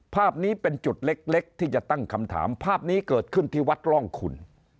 ภาพนี้เป็นจุดเล็กที่จะตั้งคำถามภาพนี้เกิดขึ้นที่วัดร่องคุณ